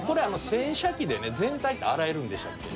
洗車機でね全体って洗えるんでしたっけ？